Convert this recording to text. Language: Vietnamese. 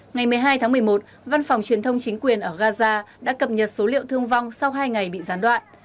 ngày một mươi hai tháng một mươi một văn phòng truyền thông chính quyền ở gaza đã cập nhật số liệu thương vong sau hai ngày bị gián đoạn